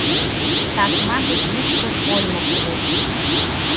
Тасма деч вичкыж кольмо кӱлеш.